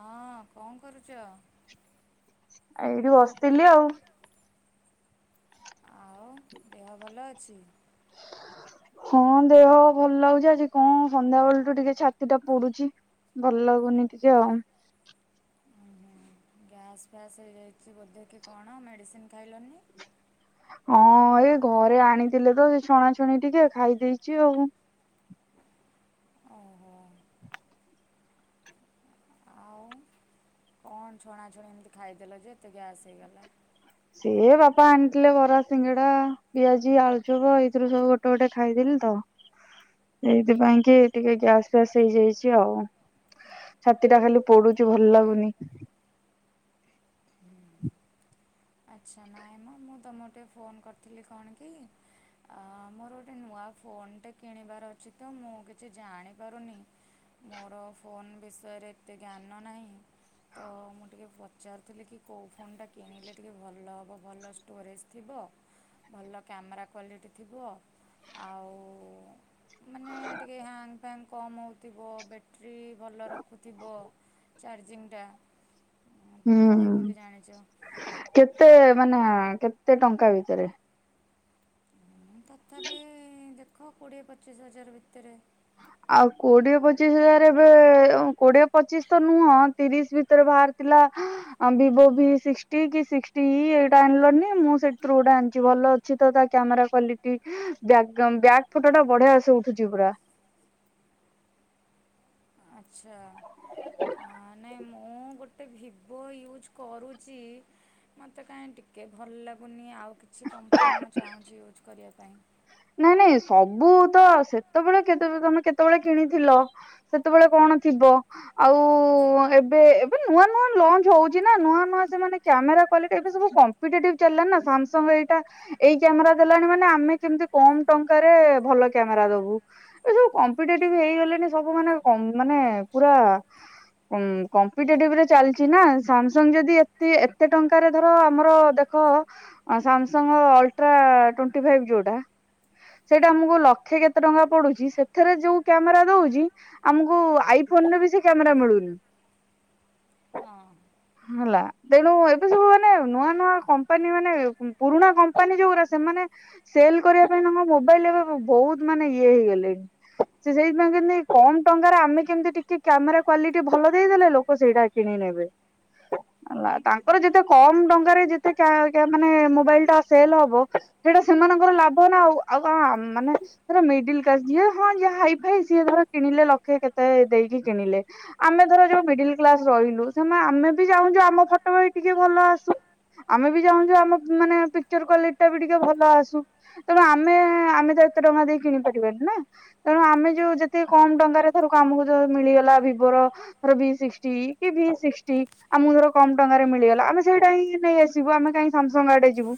ଅଁ, କଣ କରୁଚ? ଆଉ ଏଇଠି ବସିଥିଲି ଆଉ। ଆଉ ଦେହ ଭଲ ଅଛି? ହଁ ଦେହ ଭଲ ଲାଗୁଛି, ଆଜି କଣ ସନ୍ଧ୍ୟାବେଳଠୁ ଟିକେ ଛାତି ଟା ପଡୁଛି। ଭଲ ଲାଗୁନି ଟିକେ ଆଉ। ଅଁ, ହଁ ଗ୍ୟାସ୍ ଫ୍ୟାସ୍ ହେଇଯାଇଛି ବୋଧେ କି କଣ ମେଡ଼ିସିନ୍ ଖାଇଲନି? ଅଁ, ଏ ଘରେ ଆଣିଥିଲେ ତ ସେ ଛଣାଛଣି ଟିକେ ଖାଇ ଦେଇଚି ଆଉ। ଓ ହୋ। ଆଉ କଣ ଛଣାଛଣି ଏମିତି ଖାଇଦେଲ ଯେ ଏତେ ଗ୍ୟାସ୍ ହେଇଗଲା? ସିଏ ବାପା ଆଣିଥିଲେ ବରା, ସିଙ୍ଗଡା, ପିଆଜି, ଆଳୁଚପ ଏଇଥିରୁ ସବୁ ଗୋଟେ ଗୋଟେ ଖାଇଦେଲି ତ। ସେଇଥିପାଇଁ କି ଟିକେ ଗ୍ୟାସ୍ ଫ୍ୟାସ୍ ହେଇଯାଇଛି ଆଉ। ଛାତି ଟା ଖାଲି ପଡୁଚି ଭଲ ଲାଗୁନି। ଆଚ୍ଛା ନାଇଁ ମୋ ମୁଁ ତମୋ ଟେ ଫୋନ୍ କରିଥିଲି କଣ କି? ଆ, ମୋର ଗୋଟେ ନୂଆ ଫୋନ୍ ଟେ କିଣିବାର ଅଛି ତ ମୁଁ କିଛି ଜାଣିପାରୁନି। ମୋର ଫୋନ୍ ବିଷୟରେ ଏତେ ଜ୍ଞାନ ନାହିଁ। ତ ମୁଁ ଟିକେ ପଚାରୁଥିଲି କି କୋଉ ଫୋନ୍ ଟା କିଣିଲେ ଟିକେ ଭଲ ହବ, ଭଲ ଷ୍ଟୋରେଜ୍ ଥିବ। ଭଲ କ୍ୟାମେରା କ୍ୱାଲିଟି ଥିବ। ଆଉ ମାନେ ଟିକେ ହ୍ୟାଙ୍ଗ ଫ୍ୟାଙ୍ଗ କମ ହଉଥିବ। ବେ ଟ୍ରି ଭଲ ରଖୁଥିବ ଚାର୍ଜିଂ ଟା। ହୁଁ, କେତେ ମାନେ କେତେ ଟଙ୍କା ଭିତରେ? ହୁଁ ତଥାପି ଦେଖ କୋଡ଼ିଏ ପଚିଶ ହଜାର ଭିତରେ। ଆଉ କୋଡିଏ ପଚିଶ ହଜାର ଏବେ ଅଁ, କୋଡିଏ ପଚିଶ ତ ନୁହଁ। ତିରିଶ ଭିତରେ ବାହାରି ଥିଲା ଆ, ଭିବୋ ଭିସିକ୍ସଟି କିି ସିକ୍ସଟିଇ ଏଇଟା ଆଣିଲନି ମୁଁ ସେଇଥିରୁ ଗୋଟେ ଆଣିଚି। ଭଲ ଅ ଛି ତ ତା କ୍ୟାମେରା କ୍ଵାଲିଟି। ବ୍ୟାଗାଉନ ବ୍ୟାଗ୍ ଫଟୋଟା ବଢିଆସେ ଉଠୁଚି ପୁରା। ଆଚ୍ଛା ଅ ନାଇଁ ମୁଁ ଗୋଟ ଗୋଟେ ଭିବୋ ୟୁଜ୍ କରୁଛି ମୋତେ କାଇଁ ଟିକେ ଭଲ ଲାଗୁନି ଆଉ କିଛି କମ୍ପାନୀ ମୁଁ ଚାହୁଁଛି ୟୁଜ୍ କରିବା ପାଇଁ ନାଇଁ ନାଇଁ ସବୁ ତ ସେତେବେଳେ କେତେବେ ତମେ କେତେବେଳେ କିଣିଥିଲ ସେତେବେଳେ କଣ ଥିବ? ଆଉ ଏବେ ଏବେ ନୂଆ ନୂଆ ଲଞ୍ଚ ହଉଛି ନା ନୂଆ ନୂଆ ସେମାନେେ କ୍ୟାମେରା କ୍ଵାଲିଟି ଏବେ ସବୁ କମ୍ପ ମ୍ପିଟେଟିଭ ଚାଲିଲାଣି ନା ଶ୍ୟାମସଙ୍ଗ ଏଇଟା ଏଇ କ୍ୟାମେରା ଦେଲାଣି ମାନେ ଆମେ କେମିତି କମ ଟଙ୍କାରେ ଭଲ କ୍ୟାମେରା ଦବୁ। ଏ ସବୁ କମ୍ପିଟେଟିଭ୍ ହେଇଗଲେଣି ସବୁ ମାନେ କମ୍ପ୍ ମାନେ ପୁରା ଉଁ କମ୍ପିଟେଟିଭରେ ଚାଲିଛି ନା ସାମସଙ୍ଗ ଯଦି ଏତି ଏତେ ଟଙ୍କାରେ ଧର ଆମର ଦେଖ ଖ ଅ ସାମସଙ୍ଗ ଅଲଟ୍ରା ଟ୍ବେଣ୍ଟି ଫାଇଭ ଯୋଉଟା ସେଇଟା ଆମକୁ ଲକ୍ଷେ କେତେ ଟଙ୍କା ପଡୁଛି ସେଥିରେ ଯୋଉ କ୍ୟାମେରା ଦଉଚି ଆମକୁ ଆଇ ଫୋନରେ ବି ସେ କ୍ୟାମେରା ମିଳୁନି। ହଁ। ହେଲା। ତେଣୁ ଏବେ ସବୁ ମାନେ ନୂଆ ନୂଆ କମ୍ପାନୀ ମାନେ ପୁରୁଣା କମ୍ପାନୀ ଯୋଉରା ସେମାନେ ସେଲ କରିବା ପାଇଁ ତାଙ୍କ ମୋବାଇଲରେ [unintelligible] ଏବେ ବହୁତ ମାନେ ଇଏ ହେଇଗଲେଣି। ସେ ସେଇଥିପାଇଁ କେମତି କମ ଟଙ୍କାରେ ଆମେ କେମିତି ଟିକେ କ୍ୟାମେରା କ୍ଵାଲିଟି ଭଲ ଦେଇଦେଲେ ଲୋକ ସେଇଟା କିଣି ନେବେ। [inaudible] ହେଲା ତାଙ୍କର ଯେତେ କମ ଟଙ୍କାରେ ଯେତେ କ୍ୟା କ୍ୟା ମାନେ ମୋବାଇଲଟା ସେଲ ହବ ସେଇଟା ସେମାନଙ୍କର ଲାଭ ନା ଆଉ ଆଉ କଣ ଆମ ମାନେ ଧର ମିଡିଲ୍ କ୍ଲାସ ଝିଅ ହଁ ଯିଏ ହାଇ ଫାଇ ସିଏ ଧର କିଣିଲେ ଲକ୍ଷେ କେତେ ଦେଇକି କିଣିଲେ ଆମେ ଧର ଯୋଉ ମିଡିଲ କ୍ଲାସ ରହିଲୁ ସେମା ଆମେ ବି ଚାହୁଁଛୁ ଆମ ଫଟୋ ଭାଇ ଟିକେ ଭଲ ଆସୁ ଆମେ ବି ଚାହୁଁଛୁ ଆମ ମାନେ ପିକଚର କ୍ଵାଲିଟି ଟା ବି ଟିକେ ଭଲ ଆସୁ। ତେଣୁ ଆମେ ଆମେ ତ ଏତେ ଟଙ୍କା ଦେଇ କିଣି ପାରିବାନି ନା! ତେଣୁ ଆମେ ଯୋଉ ଯେତେ କମ ଟଙ୍କାରେ ଧରକୁ ଆମକୁ ଯୋଉ ମିଳିଗଲା ଭିବୋର ଧର ଭି ସିକ୍ସଟି କି ଭି ସିକ୍ସଟି ଆମକୁ ଧର କମ ଟଙ୍କାରେ ମିଳିଗଲା ଆମେ ସେଇଟା ହିଁ ନେଇ ଆସିବୁ ଆମେ କାହିଁ ସାମସଙ୍ଗ ଆଡେ ଯିବୁ।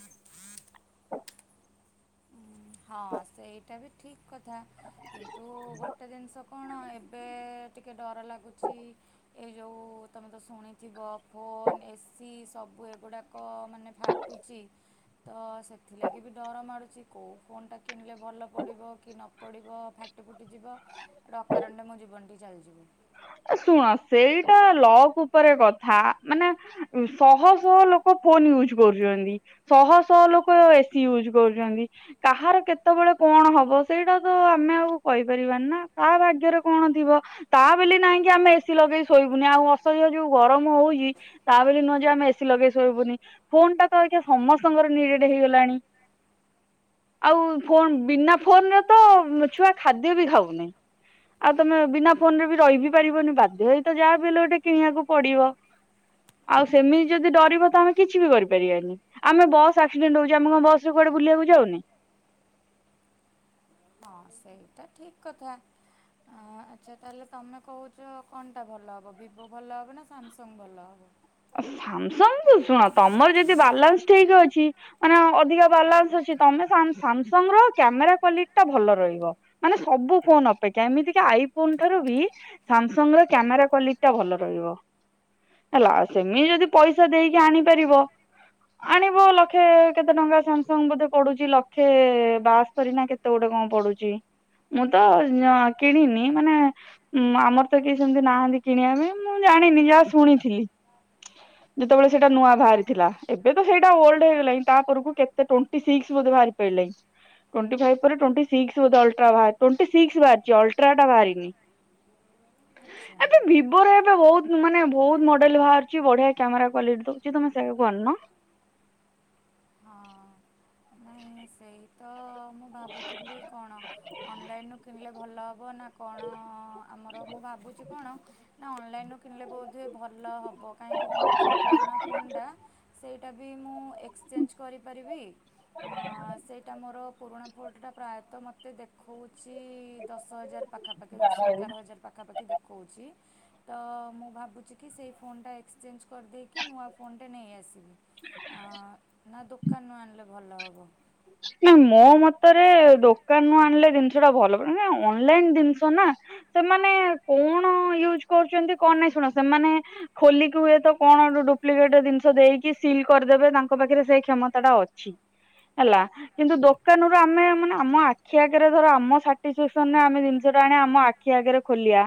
ଉଁ, ହଁ ସେଇଟା ବି ଠିକ କଥା କିନ୍ତୁ ଗୋଟେ ଜିନିଷ କଣ ଏବେ ଟିକେ ଡର ଲାଗୁଚି। ଏ ଯୋଉ ତମେ ତ ଶୁଣିଥିବ ଫୋନ ଏସି ସବୁ ଏଗୁଡାକ ମାନେ ଫାଟ ଟୁଛି ତ ସେଥିଲାଗି ବି ଡର ମାଡ଼ୁଛି କୋଉ ଫୋନ୍ ଟା କିଣିଲେ ଭଲ ପଡ଼ିବ କି ନ ପଡ଼ିବ ଫା ଟି ଫୁଟି ଯିବ ହେଇଠୁ ଅକାରଣରେ ମୋ ଜୀବନଟି ଚାଲିଯିବ। ଏ ଶୁଣ ସେଇଟା ଲକ୍ ଉପରେ କଥା ମାନେ ଶହ ଶହ ଲୋକ ଫୋନ ୟୁଜ କରୁଛନ୍ତି ଶହ ଶହ ଲୋକ ଏସିି ୟୁଜ କରୁଛନ୍ତି କାହାର କେତେବେଳେ କଣ ହବ ସେଇଟା ତ ଆମେ ଆଉ କହିପାରିବାନି ନା କାହା ଭାଗ୍ୟରେ କଣ ଥିବ? ତା ବୋଲି ନାହିଁ କି ଆମେ ଏସିି ଲଗେଇ ଶୋଇବୁନି ଆଉ ଅସହ୍ୟ ଯୋଉ ଗରମ ହଉଛି ତା ବୋଲି ନୁହଁ ଯେ ଆମେ ଏସି ଲଗେଇ ଶୋଇବୁନି। ଫୋନ୍ ଟା ତ ଅଇକା ସମସ୍ତଙ୍କର ନିଡେଡ ହେଇଗଲାଣି। ଆଉ ଫୋନ୍ ବିନା ଫୋନରେ ତ ଛୁଆ ଖାଦ୍ୟ ବି ଖାଉନାହିଁ। ଆଉ ତମେ ବିନା ଫୋନରେ ବି ରହିିବି ପାରିବନି ବାଧ୍ୟ ହେଇ ତ ଯାହା ବି ହେଲେ ଗୋଟେ କିଣିବାକୁ ପଡିବ। ଆଉ ସେମିତି ଯଦି ଡରିବ ତ ଆମେ କିଛି ବି କରିପାରିବାନି। ଆମେ ବସ୍ ଆକ୍ସିଡେଣ୍ଟ ହଉଛି ଆମ କଣ ବସରେ କୁଆଡେ ବୁଲିବାକୁ ଯାଉନେ? ହଁ ସେଇଟା ଠିକ୍ କଥା ଆଁ ଆଚ୍ଛା ତାହେଲେ ତମେ କହୁଚ କଣଟା ଭଲ ହେବ ଭିବୋ ଭଲ ହେବ ନା ସାମସଙ୍ଗ ଭଲ ହେବ? ଆଉ ସାମସଙ୍ଗୁ ଶୁଣ ତମର ଯଦି ବାଲାନ୍ସ ଠିକ ଅଛି ମାନେ ଅଧିକା ବାଲାନ୍ସ ଅଛି ତମେ ସାମ ସାମସଙ୍ଗର କ୍ୟାମେରା କ୍ଵାଲିଟି ଟା ଭଲ ରହିବ। ମାନେ ସବୁ ଫୋନ ଅପେକ୍ଷା ଏମିତି କି ଆଇ ଫୋନ୍ ଠାରୁ ବି ସାମସଙ୍ଗର କ୍ୟାମେରା କ୍ଵାଲିଟିଟା ଭଲ ରହିବ ହେଲା। ସେମିତି ଯଦି ପଇସା ଦେଇକି ଆଣିପାରିବ? ଆଣିବ ଲକ୍ଷେ କେତେ ଟଙ୍କା ସାମସଙ୍ଗ ବୋଧେ ପଡୁଛି ଲକ୍ଷେ ବାଆସ୍ତରି ନା କେତେ? ତ ଗୋଟେ କଣ ପଡୁଛି ମୁଁ ତ କିଣିନି ମାନେ ଉଁ ଆମର ତ କେହି ସେମିତି ନାହାନ୍ତି କିଣିବା ପାଇଁ ମୁଁ ଜାଣିନି ଯାହା ଶୁଣିଥିଲି। ଯେତେବେଳେ ସେଇଟା ନୂଆ ବାହାରିଥିଲା ଏବେ ତ ସେଇଟା ଓଲଡ ହେଇଗଲାଣି ତାପରକୁ କେତେ ଟୋଣ୍ଟି ସିକ୍ସ ବାହାରି [inaudible] ଟ୍ବେଣ୍ଟି ଫାଇଭ ପରେ ଟ୍ବେଣ୍ଟି ସିକ୍ସ ବୋଧେ ଅଲଟ୍ରା ସିକ୍ସ ବାହାରି ଅଲଟ୍ରାଟ ବାହାରିନି। [inaudible] ଆଚ୍ଛା ଆବେ ଭିବୋର ଏବେ ବହୁତ ମାନେ ବହୁତ ମଡେଲ ବାହାର ଛି ବଢିଆ କ୍ୟାମେରା କ୍ୱାଲିଟି ଦଉଛି ତମେ ସେୟାକୁ ଆଣୁନ ହଁ। ନାଇଁ ସେଇତ ମୁଁ ଭାବୁଥିଲି କଣ ଅନଲାଇନରୁ କିଣିଲେ ଭଲ। ହବ ନା କଣ ଆମର ମୁଁ ଭାବୁଛି କଣ? ନା ଅନଲାଇନରୁ କିଣିଲେ ବୋଧେ ବହୁତ ଭଲ ହେବ କାହିଁକିନା ମୋର ଯେଉଁ ପୁରୁଣା ଫୋନଟା ସେଇ ସେଟା ମୁଁ ଏକ୍ସଚେଞ୍ଜ କରପାରିବି ଅ ସେଇଟା ମୋର ପୁରୁଣା ଫୋନଟା ପ୍ରାୟତଃ ମତେ ଦେଖଉ ଛି ଦଶ ହଜାର ପାଖାପାଖି ଦଶ ଆଣୁନ। ଏଗାର ହଜାର ପାଖାପାଖି ଦେଖଉଛି। ତ ମୁଁ ଭାବୁଛି କି ସେଇ ଫୋନଟା ଏକ୍ସଚେଞ୍ଜ କରିଦେଇକି ନୂଆ ଫୋନଟା ନେଇଆସିବି। ଆଁ ନା ଦୋକାନରୁ ଆଣିଲେ ଭଲ ହେବ? ନା ମୋ ମତରେ ଦୋକାନ ରୁ ଆଣିଲେ ଜିନିଷଟା ଭଲ ହେବ ଅନଲାଇନ ଜିନିଷ ନା ସେମାନେ କଣ ୟୁଜ କରୁଛନ୍ତି କଣ ନାଇଁ ଶୁଣ ସେମାନେ ଖୋଲିକି ହୁଏ ତ କଣ ଡୁପ୍ଲିକେଟ ଜିନିଷ ଦେଇକି ସିଲ୍ କରିଦେବେ ତାଙ୍କ ପାଖରେ ସେ କ୍ଷମତାଟା ଅଛି। ହେଲା। କିନ୍ତୁ ଦୋକାନରୁ ଆମେ ମାନେ ଆମ ଆଖି ଆଗରେ ଧର ଆମ ସାଟିଫାକ୍ସନରେ ଆମେ ଜିନିଷଟା ଆଣିବା ଆମ ଆ ଆଖି ଆଗରେ ଖୋଲିବା।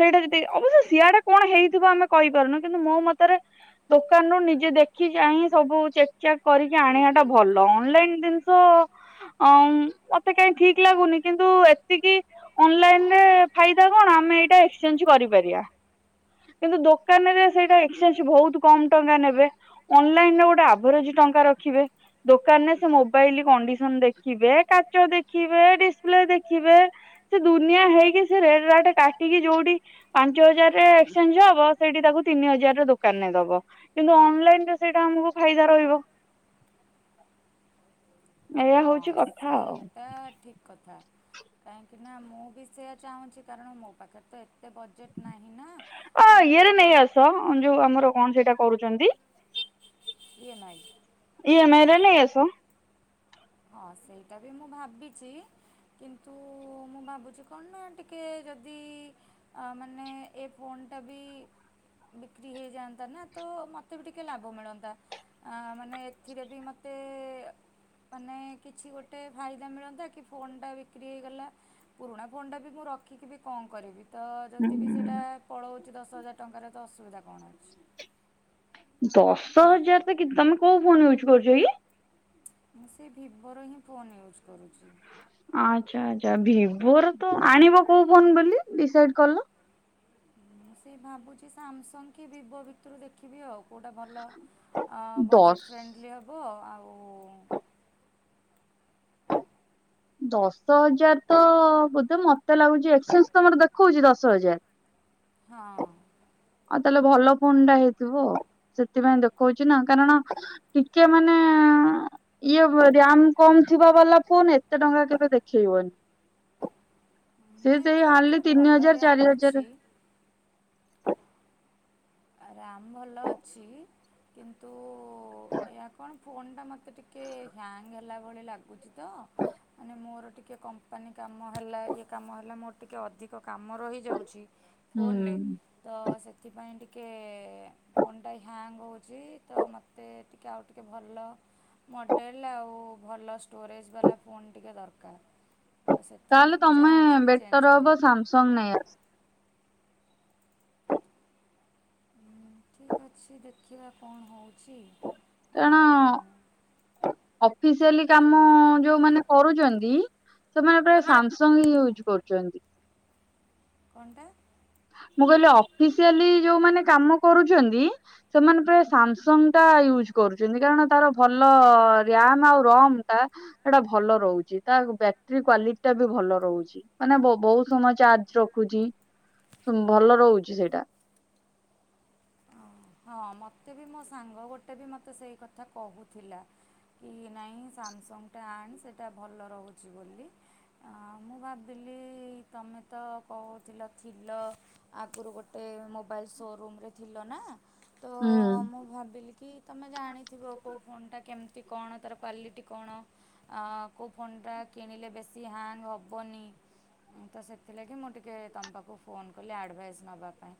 ସେଇଟା ଯଦି ଅବଶ୍ୟ ସିଆଡେ କଣ ହେଇଥିବ ଆମେ କହିପାରୁନୁ କିନ୍ତୁ ମୋ ମତରେ ଦୋକାନରୁୁ ନିଜେ ଦେଖି ଚାହିଁ ସବୁ ଚେକ୍ ଚାକ୍ କରିକି ଆଣିବାଟା ଭଲ। ଅନଲାଇନ୍ ଜିନିଷ ମତେ କାହିଁ ଠିକ ଲାଗୁନି କିନ୍ତୁ ଏତିକି ଅନଲାଇନରେ ଫାଇଦା କଣ ଆମେ ଏଇଟା ଏକ୍ସଚେଞ୍ଜ କରିପାରିବା। କିନ୍ତୁ ଦୋକାନରେ ସେଇଟା ଏକ୍ସଚେଞ୍ଜ ବହୁତ କମ ଟଙ୍କା ନେବେ। ଅନଲାଇନରେ ଗୋଟେ ଆଭରେଜ ଟଙ୍କା ରଖିବେ। କାରଣ ସେ ମୋବାଇଲ କଣ୍ଡିସନ ଦେଖିବେ କାଚ ଦେଖିବେ ଡିସପ୍ଲେ ଦେଖିବେ। ସେ ଦୁନିଆ ହେଇକି ସେ ରେଟ୍ ରାଟ କାଟିକି ଯୋଉଠି ପାଞ୍ଚ ହଜାରରେ ଏକ୍ସଚେଞ୍ଜ ହବ ସେଇଠି ତାକୁ ତିନି ହଜାରରେ ଦୋକାନରେ ଦବ। କିନ୍ତୁ ଅନଲାଇନରେ ସେଇଟା ଆମକୁ ଫାଇଦା ରହିବ। ଏଇଆ ହଁ ହଉଛି କଥା ଆଉ ସେଇଟା ଠିକ୍ କଥା କାହିଁକିନା ମୁଁ ବି ସେୟା ଚାହୁଁଛି କାରଣ ମୋ ପାଖରେ ତ ଏତେ ବଜେଟ୍ ନାହିଁ ନା ଅ ମୋର ଇଏରେ ଟିକେ ନେଇ ଆସ ଯୋଉ ଆମର କଣ ସେଇଟା କରୁଛନ୍ତି? ଇଏ ମାଇ। ଇଏ ମାଇ ରେ ନେଇ ଆସ। ହଁ ସେଇଟା ବି ମୁଁ ଭାବିଛି। କିନ୍ତୁ ମୁଁ ଭାବୁଛି କଣ ନା ଟିକେ ଯଦି ଆ ମାନେ ଏ ଫୋନଟା ବି ବିକ୍ରି ହେଇଯାଆନ୍ତାନା ତ ମୋତେ ବି ଟିକେ ଲାଭ ମିଳନ୍ତା। ଆ ମାନେ ଏଥିରେ ବି ମୋତେ ମାନେ କିଛି ଗୋଟେ ଫାଇଦା ମିଳନ୍ତା କି ଫୋନଟା ବିକ୍ରି ହେଇଗଲା। ପୁରୁଣା ଫୋନଟା ବି ମୁଁ ରଖିକି ବି କଣ କରିବି? ତ ହୁଁ ଯଦି ବି ସେଇଟା ପଳଉଛି ଦଶ ହଜାର ଟଙ୍କାରେ ତ ଅସୁବିଧା କଣ ହଉଛି? ଦଶ ହଜାର ତ କି ତମେ କୋଉ ଫୋନ୍ ୟୁଜ୍ କରୁଛ କି? ମୁଁ ସେ ଭିବୋର ହିଁ ଫୋନ୍ ୟୁଜ୍ କରୁଛି। ଆଚ୍ଛା ଆଚ୍ଛା ଭିବୋ ର ତ ଆଣିବ କୋଉ ଫୋନ ବୋଲି ଡିସାଇଡ କଲ? ମୁଁ ସେ ଭାବୁଛି ସାମସଙ୍ଗ କି ଭିବୋ ଭିତରୁ ଦେଖିବି ଆଉ। କେଉଁଟା ଭଲ ଅ ଦଶ। ବଜେଟ୍ ଫ୍ରେଣ୍ଡଲି ହେବ ଆଉ ଦଶ ହଜାର ତ ବୋଧେ ମତେ ଲାଗୁଛି ଏକ୍ସଚେଞ୍ଜ ତମର ଦେଖଉଛି ଦଶ ହଜାର। ହଁ। ଆଉ ତାହେଲେ ଭଲ ଫୁନ୍ ଟା ହେଇଥିବ ସେଥିପାଇଁ ଦେଖଉଛି ନା କାରଣ ଟିକେ ମାନେ ଇଏ ବ ରାମ କମ ଥିବା ବାଲା ଫୋନ ଏତ ଏତେ ଟଙ୍କା କେବେ ଦେଖେଇବନି। ସେ ନାଇଁ ସେଇ ମୋର ହାର୍ଡ଼ଲି ଏଥିରେ ତିନି ଭଲ ହଜାର ରାମ୍ ଚାରି ହଜାର ଅଛି ରାମ ଭଲ ଅଛି କିନ୍ତୁ ଏହା କଣ ଫୋନ୍ ଟା ମତେ ମତେ ଟିକେ ହ୍ୟାଙ୍ଗ ହେଲା ଭଳି ଲାଗୁଛି ମାନେ ମୋର ଟିକେ କମ୍ପାନୀ କାମ ହେଲା ଇଏ କାମ ହେଲା ମୋର ଟିକେ ଅଧିକ କାମ ରହିଯାଉଛି। ଫୋନେ ହୁଁ। ତ ସେଥିପାଇଁ ଟିକ ଟିକେ ଫୋନଟା ହ୍ୟାଙ୍ଗ ହେଉଛି ତ ମୋତେ ଟିକେ ଆଉ ଟିକେ ଭଲ ମଡ଼େଲ ଆଉ ଭଲ ଷ୍ଟୋରେଜ୍ ବାଲା ଫୋନ୍ ଟିକେ ଦରକାର। ତ ତାହେଲେ ସେଥିଲାଗି ମୁଁ ତମେ ଚାହୁଁଛି ବେଟର ଚେଞ୍ଜ କରିବା ପାଇଁ। [unintelligible] ଠିକ୍ ଅଛି ଦେଖିବା କଣ ହେଉଛି। କାରଣ ଆଉ ଅଫିସିଆଲି କାମ ଯୋଉମାନେ କରୁଛନ୍ତି ସେମାନେ ଗୋଟେ ସାମସଙ୍ଗ ହିଁ ୟୁଜ୍ କରୁଛନ୍ତି। କଣଟା? ମୁଁ କହିଲି ଅଫିସିଆଲି ଯୋଉମାନେ କାମ କରୁଛନ୍ତି। ସେମାନେ ପ୍ରାୟ ସାମସଙ୍ଗ ଟା ୟୁଜ୍ କରୁଛନ୍ତି କାରଣ ତାର ଭଲ ରିଆମ ଆଉ ରମ ଟା ସେଟା ଭଲ ରହୁଛି ତା ବ୍ୟାଟେରୀ କ୍ଵାଲିଟି ଟା ବି ଭଲ ରହୁଛି। ମାନେ ବ-ବୋହୁତ ସମୟ ଚାର୍ଜ ରଖୁଛି। ଶୂନ ଭଲ ରହୁଛି ସେଇଟା। ହଁ ମୋତେ ବି ମୋ ସାଙ୍ଗ ଗୋଟେ ବି ମତେ ସେଇ କଥା କହୁଥିଲା। କି ନାହିଁ ସାମସଙ୍ଗଟା ଆଣି ସେଇଟା ଭଲ ରହୁଛି ବୋଲି। ମୁଁ ଭାବିଲି ତମେ ତ କହୁଥିଲ ଥିଲ ଆଗରୁ ଗୋଟେ ମୋବାଇଲ ସୋରୁମରେ ଥିଲ ନା ତ ହୁଁ ମୁଁ ଭାବିଲି କି ତମେ ଜାଣିଥିବ କୋଉ ଫୋନ୍ ଟା କେମିତି ଟି କଣ ତାର କ୍ୱାଲିଟି କଣ? ଆ କଉ ଫୋନ୍ଟା କିଣିଲେ ବେଶୀ ହ୍ୟାଙ୍ଗ ହେବନି। ମୁଁ ତ ସେଥିଲାଗି ମୁଁ ଟିକେ ତମ ପାଖକୁ ଫୋନ୍ କଲି ଆଡ଼ଭାଇସ୍ ନେବା ପାଇଁ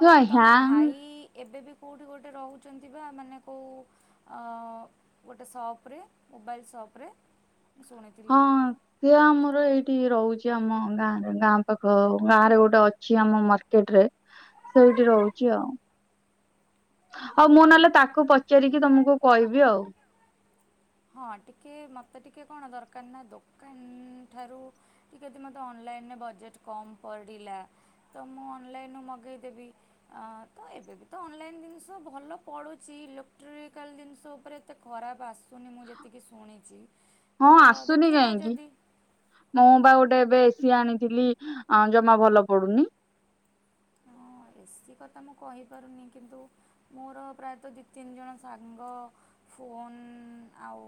ତ ତମ ହ୍ୟାଙ୍ଗ ଭାଇ ଏବେ ବି କେଉଁଠି ଗୋଟେ ରହୁଛନ୍ତି ବା ମାନେ କଉ ଗୋଟେ ସପ୍ ରେ ମୋବାଇଲ୍ ସପ୍ ରେ ହଁ। ସେ ଆମର ଏଇଠି ରହୁଛି ଆମ ଗାଁରେ ଗାଁ ପାଖ ଗାଁରେ ଗୋଟେ ଅଛି ଆମ ମାର୍କେଟ ରେ ସେଇଠି ରହୁଛି ଆଉ ହଉ ମୁଁ ନହେଲେ ତାକୁ ପଚାରିକି ତମକୁ କହିବି ଆଉ। ହଁ ଟିକେ ମୋତେ ଟିକେ କଣ ଦରକାର ନା ଦୋକାନ ଠାରୁ ଟିକେ ମତେ ଅନଲାଇନରେ ବଜେଟ କମ ପଡିଲା। ତ ମୁଁ ଅନଲାଇନୁ ମଗେଇ ଦେବି। ଅ ତ ଏବେବି ତ ଅନଲାଇନ ଜିନିଷ ଭଲ ପଡୁଛି ଇଲେକ୍ଟ୍ରିକାଲ ଜିନିଷ ଉପରେ ଏତେ ଖରାପ ଆସୁନି ମୁଁ ଯେତିକି ଶୁଣିଛି ହଁ ତ ଆସୁନି ଦେଖିବା କାହିଁକି ଯଦି ମୁଁ ବା ଗୋଟେ ଏବେ ଏ ସିି ଆଣିଥିଲି ଆ ଜମା ଭଲ ପଡୁନି। ଏ ସି କଥା ମୁଁ କହିପାରୁନି କିନ୍ତୁ ମୋର ପ୍ରାୟତଃ ଦୁଇ ତିନି ଜଣ ସାଙ୍ଗ ଫୋନ୍ ଆଉ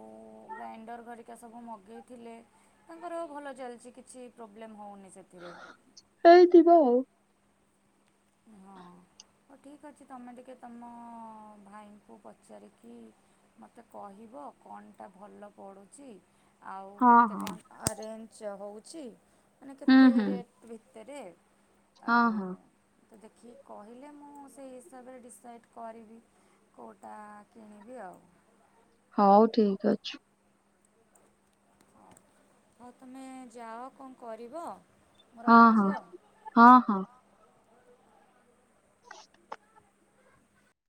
ଗ୍ରାଇଣ୍ଡର ଘରିକା ସବୁ ମଗେଇଥିଲେ ତାଙ୍କର ଭଲ ଚାଲିଛି କିଛି ପ୍ରୋବ୍ଲେମ ହଉନି ସେଥିରେ। ହେଇଥିବ ଆଉ। ହଁ ହଉ ଠିକ୍ ଅଛି ତମେ ଟିକେ ତୁମ ଭାଇଙ୍କୁ ପଚାରିକି ମତେ କହିବ କଣଟା ଭଲ ପଡ଼ୁଚି। ଆଉ କେତେ କଣ ରେଞ୍ଜ ହଉଛି ମାନେ ହଁ କେତେ ହୁଁ ହୁଁ ରେଟ୍ ଭିତରେ ହଁ ଆଉ ହଁ ତ ଦେଖିକି କହିଲେ ମୁଁ ସେଇ ହିସାବରେ ଡିସାଇଟି କରିବି। କୋଉଟା କିଣିବି ଆଉ। ହଉ ଠିକ୍ ଅଛି। ହଁ ହଉ ତୁମେ ଯାଅ କଣ କରିବ। ମୁଁ ହଁ ରଖୁଛି ହଁ ଆଉ ହଁ ହଁ।